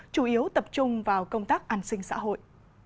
chủ yếu tập trung vào công tác an sinh xã hội